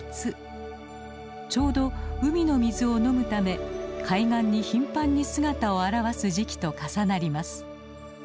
ちょうど海の水を飲むため海岸に頻繁に姿を現す時期と重なります。